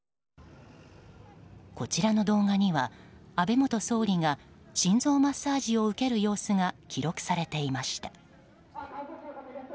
こちらの動画には、安倍元総理が心臓マッサージを受ける様子が記録されていました。